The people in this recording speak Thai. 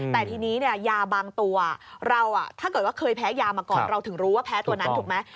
แต่ทีนี้เนี่ยยาบางตัวเราถ้าเกิดว่าเคยแพ้ยามาก่อนเราถึงรู้ว่าแพ้ตัวนั้นถูกไหม